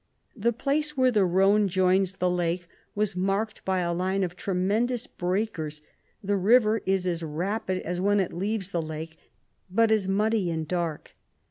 The place where the Rhone joins the lake was marked by a line of tremendous breakers ; the river is as rapid as when it leaves the lake, but is muddy and dark.